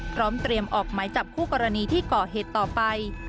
พร้อมเตรียมออกหมายจับคู่กรณีที่ก่อเหตุต่อไป